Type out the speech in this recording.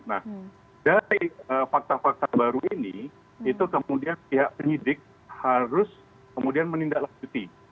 nah dari fakta fakta baru ini itu kemudian pihak penyidik harus kemudian menindaklanjuti